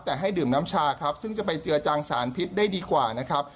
แต่ให้ดื่มน้ำชาครับซึ่งจะไปเจือจางสารพิษได้ดีกว่านะครับ